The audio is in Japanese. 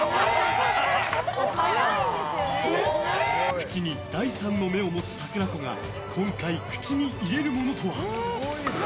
口に第３の目を持つさくらこが今回、口の中に入れるものとは？